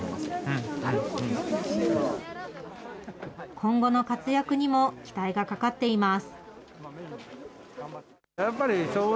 今後の活躍にも期待がかかっています。